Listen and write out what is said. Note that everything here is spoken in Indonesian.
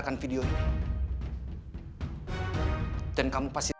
ke tebuk keluparan ke kab pippi cri proud